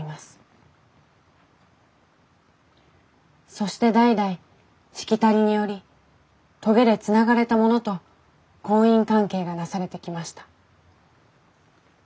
そして代々しきたりにより棘でつながれた者と婚姻関係がなされてきました。